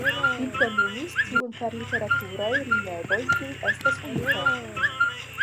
Li plenumis tiun per literaturaj rimedoj kiuj restas unikaj.